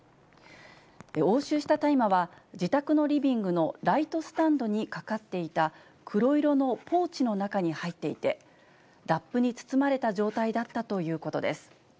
押収した大麻は自宅のリビングのライトスタンドにかかっていた黒色のポーチの中に入っていて、ラップに包まれた状態だったということです。